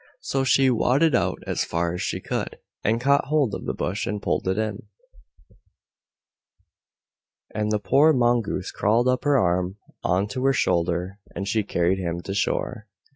So she waded out as far as she could, and caught hold of the bush and pulled it in, and the poor Mongoose crawled up her arm on to her shoulder, and she carried him to shore.